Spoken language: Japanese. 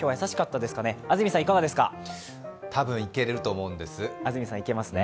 たぶんいけると思うんです。